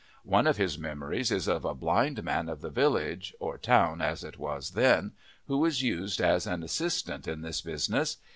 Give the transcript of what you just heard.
One of his memories is of a blind man of the village, or town as it was then, who was used as an assistant in this business.